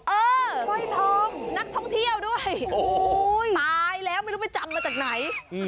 สร้อยทองนักท่องเที่ยวด้วยตายแล้วไม่รู้ไปจำมาจากไหน